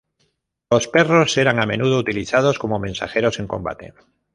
Los perros eran a menudo utilizados como mensajeros en combate.